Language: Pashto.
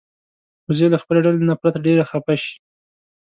وزې له خپلې ډلې نه پرته ډېرې خپه شي